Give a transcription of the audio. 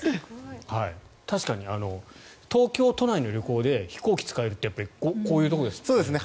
確かに東京都内の旅行で飛行機を使えるってこういうところですね。